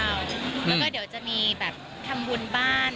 แล้วก็เดี๋ยวจะมีแบบทำบุญบ้าน